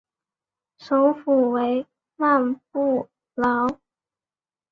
首府为曼布劳。